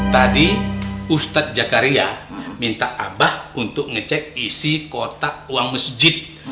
tadi ustadz jakaria minta abah untuk ngecek isi kotak uang masjid